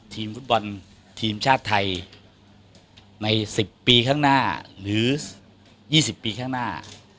ทีมฟุตบอลทีมชาติไทยใน๑๐ปีข้างหน้าหรือ๒๐ปีข้างหน้า